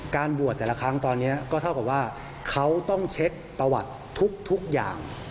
บวชแต่ละครั้งตอนนี้ก็เท่ากับว่าเขาต้องเช็คประวัติทุกอย่าง